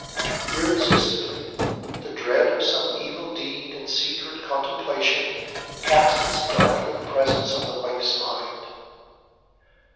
Irresistibly, the dread of some evil deed in secret contemplation cast its darkening presence on the wife's mind.